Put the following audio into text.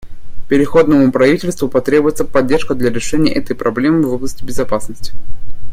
Переходному правительству потребуется поддержка для решения этой проблемы в области безопасности.